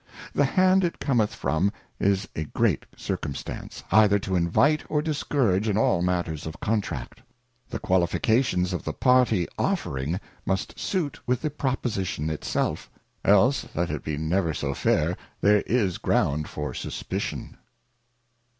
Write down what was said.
The hand it cometh from is a great Circumstance, either to invite or dis courage in all matters of Contract ; the Qualifications of the Party offering must sute with the Proposition it self, else let it be never so fair, there is ground for Suspicion.